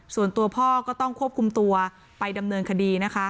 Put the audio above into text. ส่วนตัวพ่อก็ต้องควบคุมตัวไปดำเนินคดีนะคะ